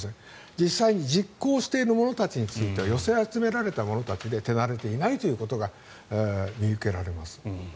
実際に実行している者たちについては寄せ集められた者たちで手慣れていないということが見受けられます。